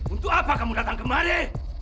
untuk apa kamu datang kemari